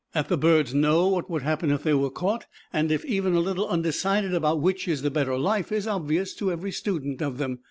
That the birds know what would happen if they were caught, and are even a little undecided about which is the better life, is obvious to every student of them.